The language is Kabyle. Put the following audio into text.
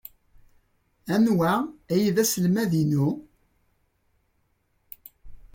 Anwa ay d aselmad-inu?